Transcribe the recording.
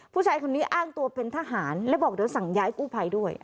ผู้ชายคนนี้อ้างตัวเป็นทหารแล้วบอกเดี๋ยวสั่งย้ายกู้ภัยด้วย